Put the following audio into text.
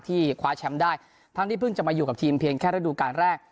คว้าแชมป์ได้ทั้งที่เพิ่งจะมาอยู่กับทีมเพียงแค่ระดูการแรก